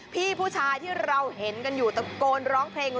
พี่ผู้ชายที่เราเห็นกันอยู่ตะโกนร้องเพลง